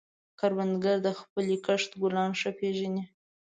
کروندګر د خپلې کښت ګلان ښه پېژني